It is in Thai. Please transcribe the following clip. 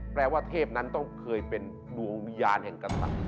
แปลว่าเทพนั้นต้องเคยเป็นดวงวิญญาณแห่งกษัตริย์